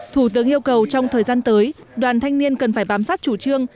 thủ tướng yêu cầu trong thời gian tới đoàn thanh niên cần phải bám sát chủ trương